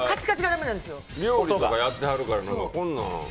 料理もやってはるからこんなん。